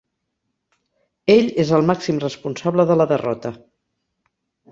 Ell és el màxim responsable de la derrota.